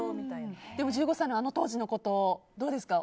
でも１５歳のあの当時のことどうですか？